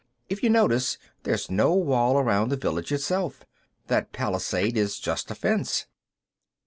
If you notice, there's no wall around the village itself. That palisade is just a fence."